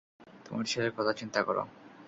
তোমার ছেলের কথা চিন্তা কর।